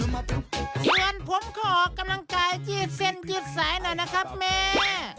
ส่วนผมขอออกกำลังกายยืดเส้นยืดสายหน่อยนะครับแม่